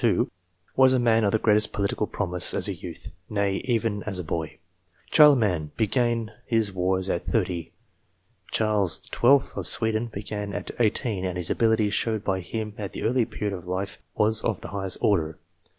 42, was a. man of the greatest political promise as a youth ; nay, even as a boy. Charlemagne began his wars set. 30. Charles XII. of Sweden began his, set. 18 ; and the ability showed by him at that early period of life was of the highest order.